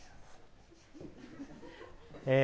え